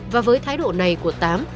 và với thái độ này của tám